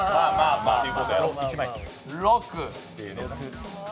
６。